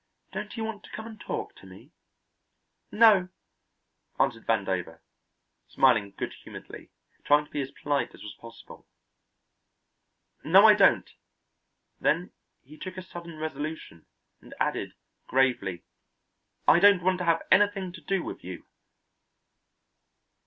Don't you want to come and talk to me?" "No," answered Vandover, smiling good humouredly, trying to be as polite as was possible. "No, I don't." Then he took a sudden resolution, and added gravely, "I don't want to have anything to do with you."